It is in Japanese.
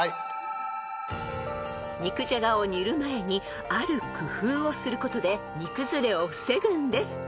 ［肉じゃがを煮る前にある工夫をすることで煮崩れを防ぐんです。